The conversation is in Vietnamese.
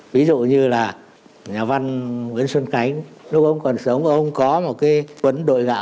ví dụ như là nhà văn nguyễn xuân cánh lúc ông còn sống ông có một cái quấn đội gạo